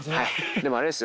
でもあれですよ。